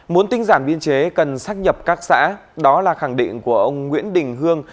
muốn tinh giản biên chế cần sát nhập các xã đó là khẳng định của ông nguyễn đình hương